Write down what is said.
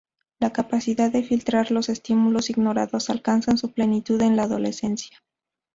La capacidad de filtrar los estímulos ignorados alcanza su plenitud en la adolescencia.